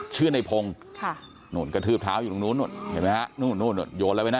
ชื่อในพงธ์โดนกระทืบเท้าอยู่ตรงนู้นโดนแล้วไปนะ